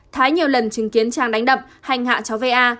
thái nhiều lần chứng kiến trang đánh đập hành hạ cháu va